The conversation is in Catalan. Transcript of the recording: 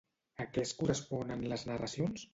A què es corresponen les narracions?